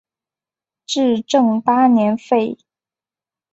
至正八年废。